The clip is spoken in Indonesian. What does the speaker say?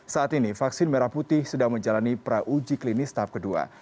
saat ini vaksin merah putih sedang menjalani pra uji klinis tahap kedua